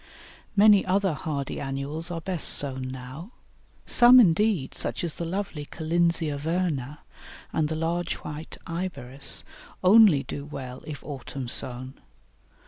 Many other hardy Annuals are best sown now. Some indeed, such as the lovely Collinsia verna and the large white Iberis, only do well if autumn sown.